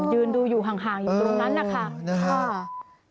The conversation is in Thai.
ยืนดูอยู่ห่างอยู่ตรงนั้นนะคะ